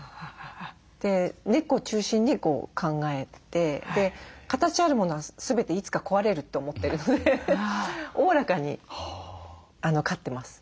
猫を中心に考えて形あるものは全ていつか壊れるって思ってるのでおおらかに飼ってます。